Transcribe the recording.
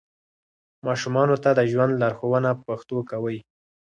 ماشومانو ته د ژوند لارښوونه په پښتو کوئ.